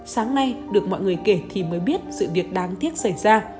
sáng nay được mọi người kể thì mới biết sự việc đáng tiếc xảy ra